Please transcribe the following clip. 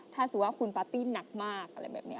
ถ้าสมมุติว่าคุณปาร์ตี้หนักมากอะไรแบบนี้